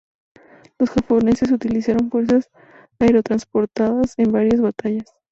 Los japoneses utilizaron fuerzas aerotransportadas en varias batallas.